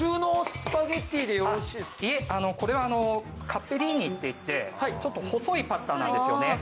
いえこれはカッペリーニっていってちょっと細いパスタなんですよね。